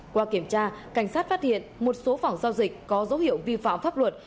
qua kiểm tra cảnh sát phát hiện một số phòng giao dịch có dấu hiệu vi phạm pháp luật